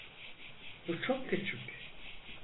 Bu çok küçük.